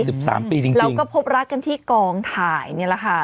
สิบสามปีจริงแล้วก็พบรักกันที่กองถ่ายนี่แหละค่ะ